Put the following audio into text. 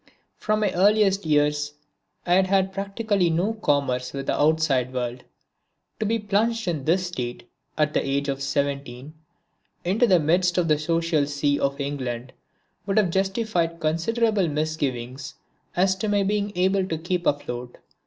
From my earliest years I had had practically no commerce with the outside world. To be plunged in this state, at the age of 17, into the midst of the social sea of England would have justified considerable misgiving as to my being able to keep afloat.